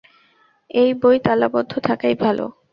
এই বই তালাবন্ধ থাকাই ভালো।